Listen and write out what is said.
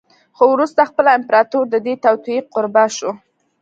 خو وروسته خپله امپراتور د دې توطیې قربا شو